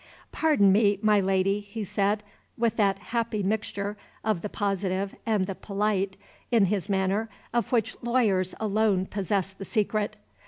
"Pardon me, my Lady," he said, with that happy mixture of the positive and the polite in his manner, of which lawyers alone possess the secret.